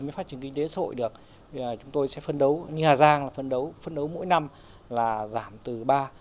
nếu phát triển kinh tế sội được chúng tôi sẽ phân đấu như hà giang là phân đấu mỗi năm là giảm từ ba năm